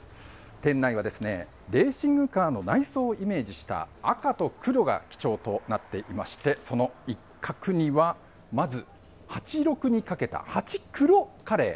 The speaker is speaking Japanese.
店内はレーシングカーの内装をイメージした赤と黒が基調となっていまして、その一画には、まずハチロクにかけた、ハチクロカレー。